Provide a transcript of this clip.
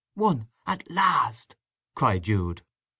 "One—at last!" cried Jude.